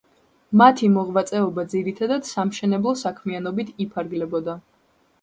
მათი მოღვაწეობა ძირითადად სამშენებლო საქმიანობით იფარგლებოდა.